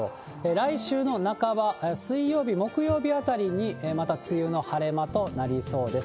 来週の半ば、水曜日、木曜日あたりにまた梅雨の晴れ間となりそうです。